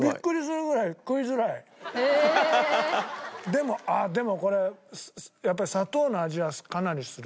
でもあっでもこれやっぱり砂糖の味はかなりする。